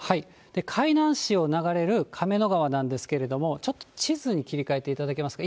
海南市を流れる亀の川なんですけれども、ちょっと地図に切り替えていただけますか。